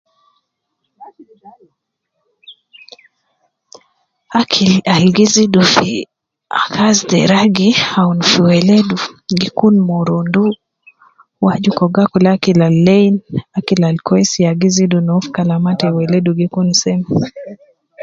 Akil al gi zidu fi kazi te ragi awun fi weledu gi kun murundu, wu aju ke uwo gi akul akil al lain, akil al kwesi ya gi zidu no fi kalama te weledu gi kun seme